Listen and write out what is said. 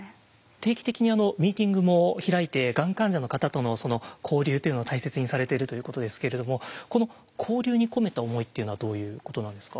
定期的にミーティングも開いてがん患者の方との交流というのを大切にされているということですけれどもこの交流に込めた思いっていうのはどういうことなんですか？